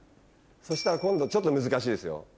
そしたら今度ちょっと難しいですよ。